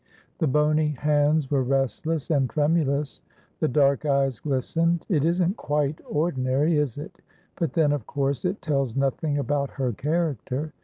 The bony hands were restless and tremulous; the dark eyes glistened. "It isn't quite ordinary, is it? But then, of course, it tells nothing about her character.